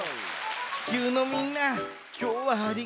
地球のみんなきょうはありがとう。